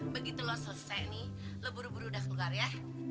begitu lo selesai nih lo buru buru udah sukar ya